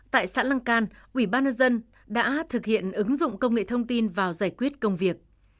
tại xã lăng can ủy ban nhân dân đã thực hiện ứng dụng công nghệ thông tin vào giải quyết công việc